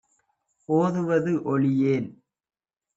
ஓதுவது ஒழியேல்.